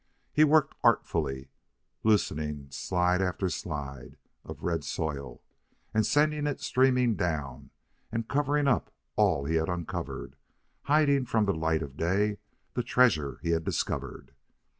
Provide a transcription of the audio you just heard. He worked artfully, loosing slide after slide of the red soil and sending it streaming down and covering up all he had uncovered, hiding from the light of day the treasure he had discovered.